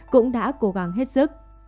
cũng đã cố gắng hết sức